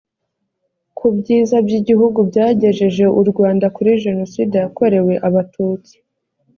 ku byiza by igihugu byagejeje u rwanda kuri jenoside yakorewe abatutsi